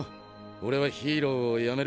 俺はヒーローをやめる。